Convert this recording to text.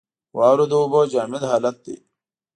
واوره د اوبو جامد حالت دی.